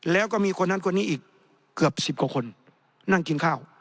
แล้วก็มีคนนั้นคนนี้อีกเกือบ๑๐กว่าคนนั่งกินข้าว